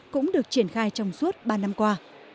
cũng được triển khai trong suốt ba năm qua